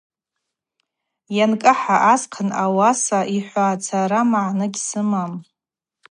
Йанкӏахӏа асхъан ауаса йахӏватӏ: Сара магӏны гьсымахым.